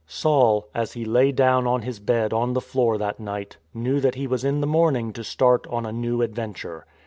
Saul, as he lay down on his bed on the floor that night, knew that he was in the morning to start on a new adventure.